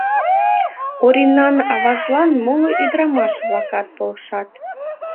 Оринан аважлан моло ӱдырамаш-влакат полшат.